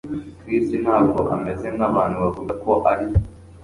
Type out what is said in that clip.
Chris ntabwo ameze nkabantu bavuga ko ari